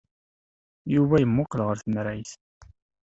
Yuba yemmuqqel ɣer temrayt.